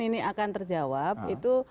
ini akan terjawab itu